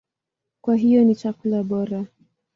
Kwa hiyo ni chakula bora.